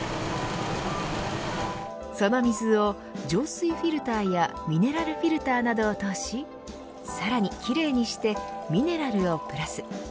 その水を浄水フィルターやミネラルフィルターなどを通しさらに奇麗にしてミネラルをプラス。